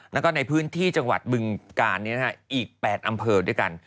แล้วก็ในพื้นที่จังหวัดบึงกาลอีก๘อำเภอด้วยกัน